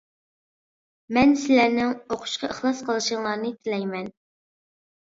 مەن سىلەرنىڭ ئوقۇشقا ئىخلاس قىلىشىڭلارنى تىلەيمەن.